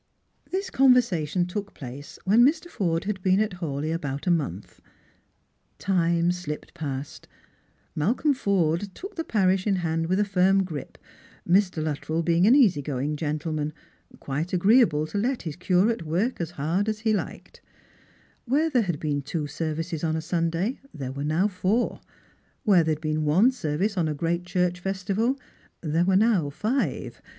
This conversation took place when Mr. Forde had been at Hawleigh about a month. Time slipped past. Malcolm Forde took the parish in hand with a firm grip, Mr. Luttrell being an easy going gentleman, quite agreeable to let his curate work aa hard as he liked. The two sleepy old churches awoke into new life. Where there had been two services on a Sunday there were now four; where there had been one service on a great church festival there were now five.